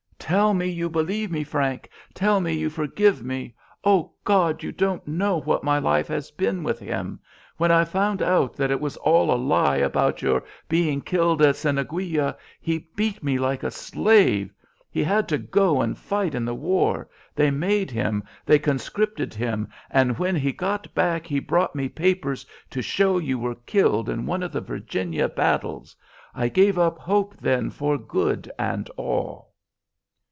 "Tell me you believe me, Frank. Tell me you forgive me. O God! you don't know what my life has been with him. When I found out that it was all a lie about your being killed at Cieneguilla, he beat me like a slave. He had to go and fight in the war. They made him; they conscripted him; and when he got back he brought me papers to show you were killed in one of the Virginia battles. I gave up hope then for good and all."